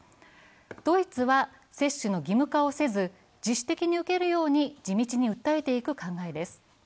ドイツは接種の義務化をせず、自主的に受けるように地道に訴えていく考えです。